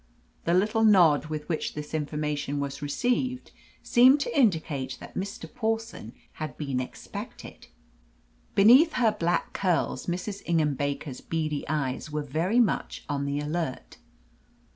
The little nod with which this information was received seemed to indicate that Mr. Pawson had been expected. Beneath her black curls Mrs. Ingham Baker's beady eyes were very much on the alert.